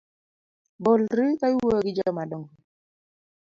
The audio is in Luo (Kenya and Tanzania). Bolri ka iwuoyo gi jomadong’o